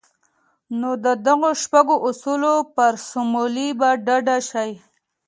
نو د دغو شپږو اصلونو پر سموالي به ډاډه شئ.